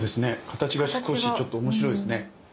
形が少しちょっと面白いですね。